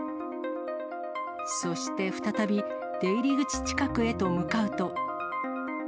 そして再び、出入り口近くへと向かうと。